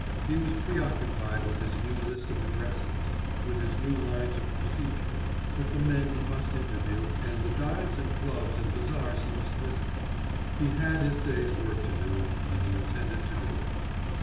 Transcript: He was preoccupied with his new list of addresses, with his new lines of procedure, with the men he must interview and the dives and clubs and bazars he must visit. He had his day's work to do, and he intended to do it.